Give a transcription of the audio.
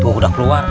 tuh udah keluar